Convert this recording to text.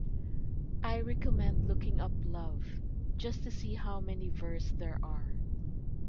I recommend looking up “love” just to see how many verse there are!